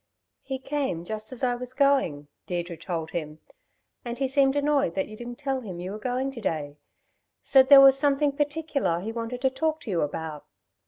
"He came just as I was going," Deirdre told him, "and he seemed annoyed that you didn't tell him you were going to day said there was something particular he wanted to talk to you about.